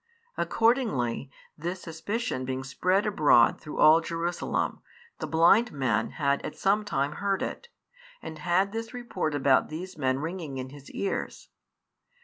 Accordingly, this suspicion being spread abroad through all Jerusalem, the blind man had at some time heard it, and had this report about these men ringing in his ears.